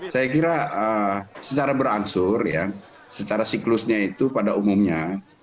saya kira secara berangsur ya secara siklusnya itu pada umumnya